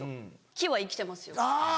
木は生きてますよ